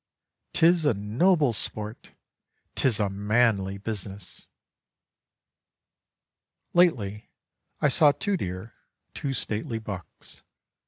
'Tis a noble sport! 'Tis a manly business! Lately I saw two deer, two stately bucks.